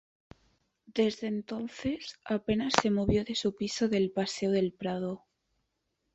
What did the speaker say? Desde entonces apenas se movió de su piso del Paseo del Prado.